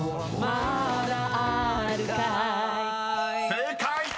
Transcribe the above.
［正解！